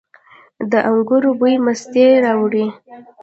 د انګورو بوی مستي راوړي.